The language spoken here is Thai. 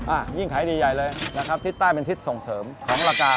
อ่ะยิ่งขายดีใหญ่เลยนะครับทิศใต้เป็นทิศส่งเสริมของราคา